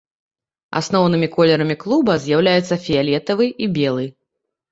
Асноўнымі колерамі клуба з'яўляюцца фіялетавы і белы.